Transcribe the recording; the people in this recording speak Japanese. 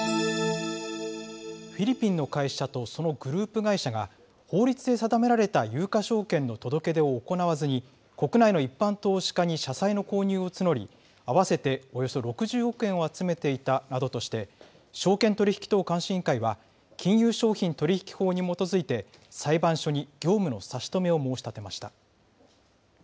フィリピンの会社とそのグループ会社が法律で定められた有価証券の届け出を行わずに、国内の一般投資家に社債の購入を募り、合わせておよそ６０億円を集めていたなどとして、証券取引等監視委員会は金融商品取引法に基づいて、裁判所に業務の差し止めを申し立てました。